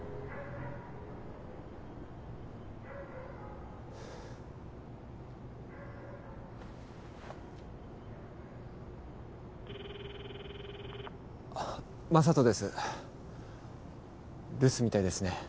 プルルルあっ眞人です留守みたいですね。